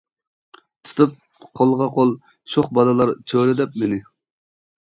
تۇتۇپ قولغا قول شوخ بالىلار چۆرىدەپ مېنى.